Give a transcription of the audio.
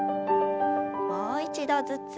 もう一度ずつ。